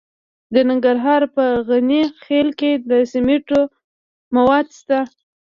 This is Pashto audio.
د ننګرهار په غني خیل کې د سمنټو مواد شته.